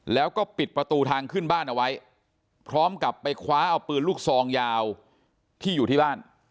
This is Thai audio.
แล้วก็ปิดประตูทางขึ้นบ้านเอาไว้พร้อมกับไปคว้าเอาปืนลูกซองยาวที่อยู่ที่บ้าน